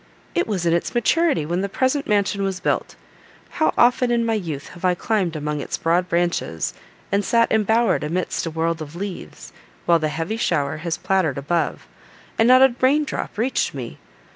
It was in its maturity when the present mansion was built. How often, in my youth, have I climbed among its broad branches, and sat embowered amidst a world of leaves, while the heavy shower has pattered above, and not a rain drop reached me!